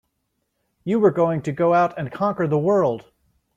You were going to go out and conquer the world!